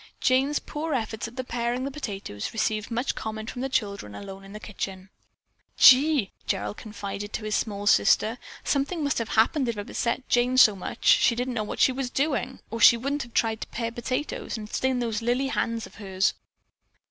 Jane's poor efforts at paring the potatoes received much comment from the children alone in the kitchen. "Gee," Gerald confided to his small sister, "something must have happened if it upset Jane so she didn't know what she was doing. She surely didn't, or she wouldn't have tried to pare potatoes and stain those lily hands of hers."